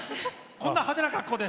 こんな派手な格好で。